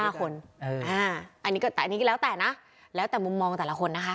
อันนี้ก็แล้วแต่นะแล้วแต่มุมมองแต่ละคนนะคะ